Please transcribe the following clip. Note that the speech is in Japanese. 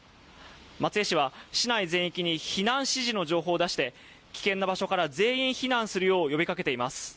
松江市は市内全域に避難指示の情報を出して危険な場所から全員避難するよう呼びかけています。